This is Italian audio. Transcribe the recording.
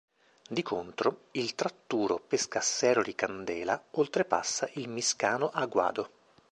Di contro il tratturo Pescasseroli-Candela oltrepassa il Miscano a guado.